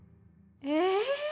え。